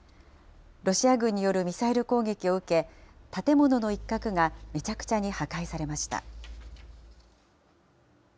ロシア軍によるミサイル攻撃を受け、建物の一角がめちゃくちゃに破壊されました。